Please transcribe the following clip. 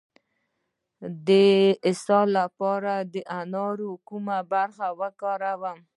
د اسهال لپاره د انارو کومه برخه وکاروم؟